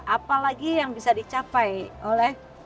apa lagi yang bisa dicapai oleh